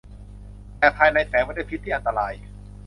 แต่ภายในแฝงไปด้วยพิษที่อันตราย